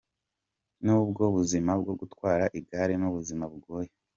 Nibwo buzima bwo gutwara igare, ni ubuzima bugoye.